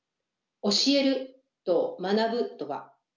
「教える」と「学ぶ」とは？